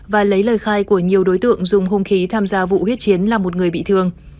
và lấy lời khai của nhiều đối tượng dùng hung khí tham gia vụ huyết chiến làm một người bị thương